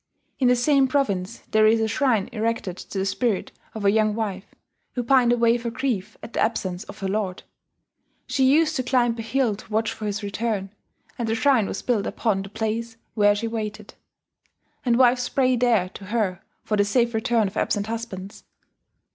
In the same province there is a shrine erected to the spirit of a young wife, who pined away for grief at the absence of her lord. She used to climb a hill to watch for his return, and the shrine was built upon the place where she waited; and wives pray there to her for the safe return of absent husbands